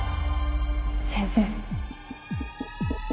先生。